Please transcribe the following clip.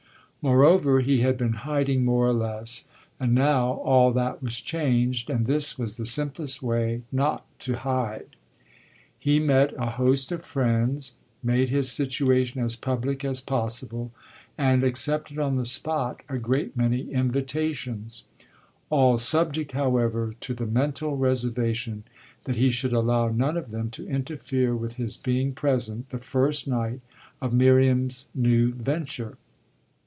Moreover, he had been hiding more or less, and now all that was changed and this was the simplest way not to hide. He met a host of friends, made his situation as public as possible and accepted on the spot a great many invitations; all subject, however, to the mental reservation that he should allow none of them to interfere with his being present the first night of Miriam's new venture.